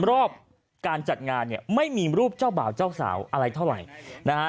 รอบการจัดงานเนี่ยไม่มีรูปเจ้าบ่าวเจ้าสาวอะไรเท่าไหร่นะฮะ